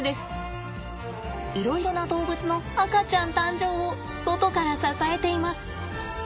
いろいろな動物の赤ちゃん誕生を外から支えています。